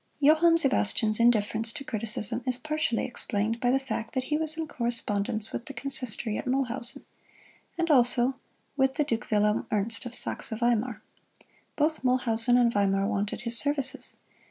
Johann Sebastian's indifference to criticism is partially explained by the fact that he was in correspondence with the Consistory at Mulhausen, and also with the Duke Wilhelm Ernest, of Saxe Weimar. Both Mulhausen and Weimar wanted his services.